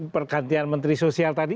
pergantian menteri sosial tadi